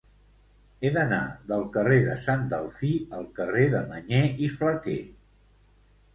He d'anar del carrer de Sant Delfí al carrer de Mañé i Flaquer.